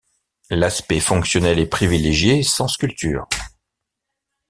L'aspect fonctionnel est privilégié, sans sculpture.